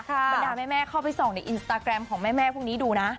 บรรดาแม่เข้าไปส่องในอินสตาแกรมของแม่พวกนี้ดูนะ